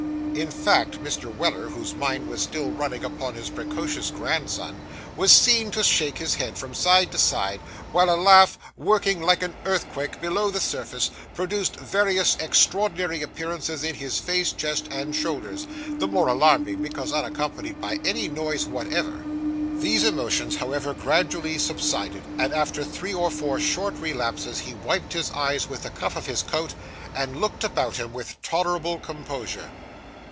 In fact, Mr. Weller, whose mind was still running upon his precocious grandson, was seen to shake his head from side to side, while a laugh, working like an earthquake, below the surface, produced various extraordinary appearances in his face, chest, and shoulders,—the more alarming because unaccompanied by any noise whatever. These emotions, however, gradually subsided, and after three or four short relapses he wiped his eyes with the cuff of his coat, and looked about him with tolerable composure.